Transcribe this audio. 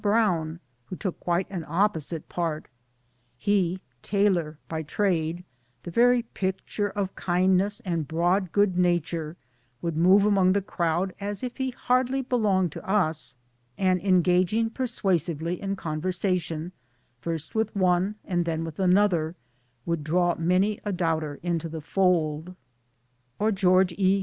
Brown, who took quite an opposite part. He (tailor by trade) the very picture of kindness and broad good nature would move among the crowd as if he hardly belonged to us, and engaging persuasively in conversation, first with one and then with another, would draw many a doubter into the fold ; or George E.